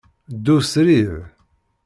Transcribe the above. Ddu srid.